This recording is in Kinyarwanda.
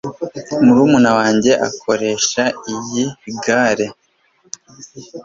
Murumuna wanjye akoresha iyi gare